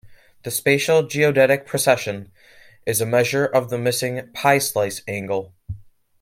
The spatial geodetic precession is a measure of the missing "pie-slice" angle.